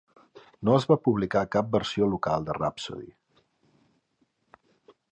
No es va publicar cap versió local de Rhapsody.